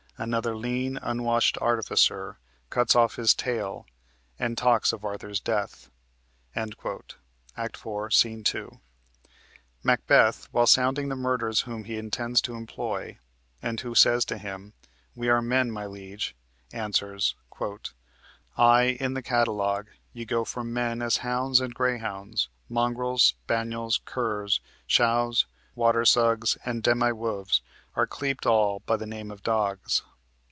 Another lean, unwashed artificer, Cuts off his tale, and talks of Arthur's death." (Act 4, Sc. 2.) Macbeth, while sounding the murderers whom he intends to employ, and who say to him, "We are men, my liege," answers: "Ay, in the catalogue, ye go for men As hounds and greyhounds, mongrels, spaniels, curs, Shoughs, water sugs, and demi wolves, are cleped All by the name of dogs."